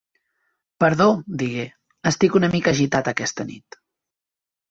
"Perdó", digué, "estic una mica agitat aquesta nit".